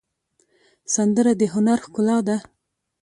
سندره د هنر ښکلا ده